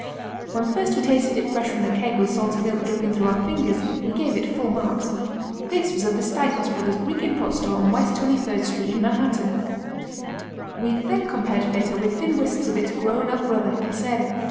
When first we tasted it fresh from the keg with salty milk dripping through our fingers, we gave it full marks. This was at the Staikos Brothers Greek import store on West 23rd Street in Manhattan. We then compared Feta with thin wisps of its grown up brother, Casere.